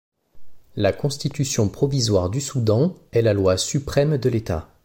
La Constitution provisoire du Soudan est la loi suprême de l’État.